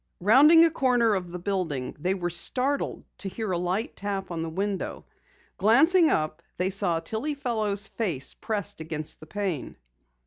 Rounding a corner of the building, they were startled to hear a light tap on the window. Glancing up, they saw Tillie Fellow's face pressed against the pane.